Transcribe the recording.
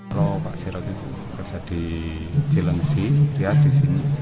kalau pak sirot itu bisa di cilengsi di sini